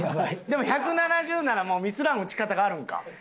でも１７０ならもうミスらん打ち方があるんか？